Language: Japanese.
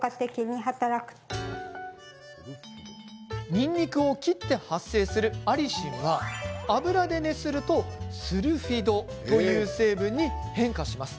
にんにくを切って発生するアリシンは油で熱するとスルフィドという成分に変化します。